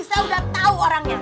saya udah tahu orangnya